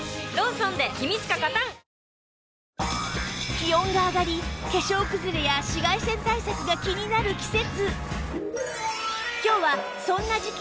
気温が上がり化粧くずれや紫外線対策が気になる季節